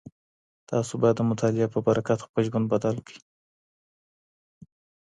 تاسو بايد د مطالعې په برکت خپل ژوند بدل کړئ.